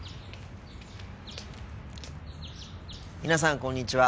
皆さんこんにちは。